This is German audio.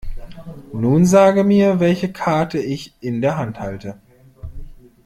Nun sage mir, welche Karte ich in der Hand halte.